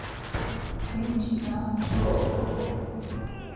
Xincina so ort̆u?